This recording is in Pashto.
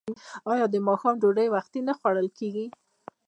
آیا د ماښام ډوډۍ وختي نه خوړل کیږي؟